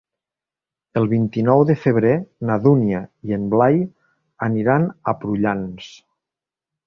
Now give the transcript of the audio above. El vint-i-nou de febrer na Dúnia i en Blai aniran a Prullans.